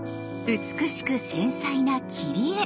美しく繊細な切り絵！